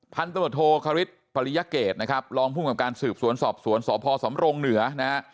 พันตทคปริยเกษนะครับรองผู้มกับการสืบสวนสอบสวนสภสเนนะฮะ